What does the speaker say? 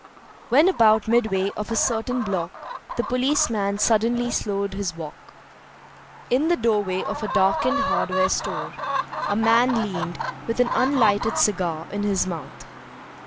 When about midway of a certain block the policeman suddenly slowed his walk. In the doorway of a darkened hardware store a man leaned, with an unlighted cigar in his mouth.